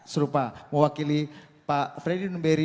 serupa mewakili pak fredy numberi